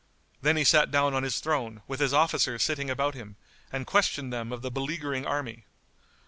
Then he sat down on his throne, with his officers sitting about him, and questioned them of the beleaguering army.